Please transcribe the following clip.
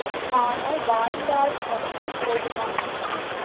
ஆனால், வாழ்ந்தால் மட்டும் போதுமா?